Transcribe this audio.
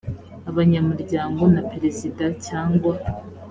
abanyamuryango na perezida cyangwa